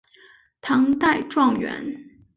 唐代状元。